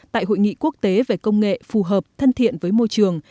tại hội nghị quốc tế về công nghệ phù hợp thân thiện với môi trường